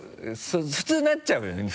普通なっちゃうよね？